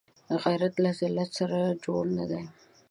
غیرت له ذلت سره جوړ نه دی